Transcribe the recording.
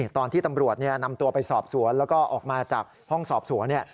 ตอนที่ตำรวจนำตัวไปสอบสลวงก็ออกมาจากห้องสอบสลวง